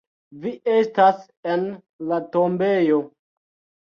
Vi estas en la tombejo.